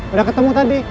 udah ketemu tadi